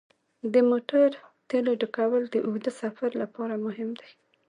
د موټر تیلو ډکول د اوږده سفر لپاره مهم دي.